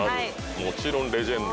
もちろんレジェンド。